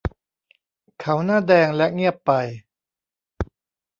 เขาหน้าแดงและเงียบไป